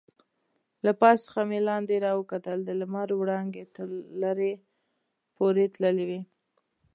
له پاس څخه مې لاندې راوکتل، د لمر وړانګې تر لرې پورې تللې وې.